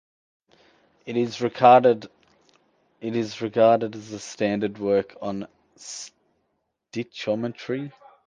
It is regarded as the standard work on stichometry.